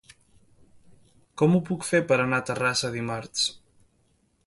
Com ho puc fer per anar a Terrassa dimarts?